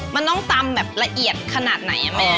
มันต้องตำแบบละเอียดขนาดไหนแม่